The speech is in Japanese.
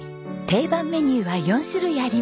定番メニューは４種類あります。